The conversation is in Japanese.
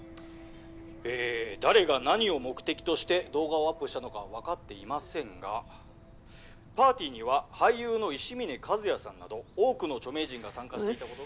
え誰が何を目的として動画をアップしたのかはわかっていませんがパーティーには俳優の伊志嶺和也さんなど多くの著名人が参加していたことが。